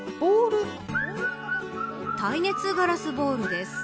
耐熱ガラスボウルです。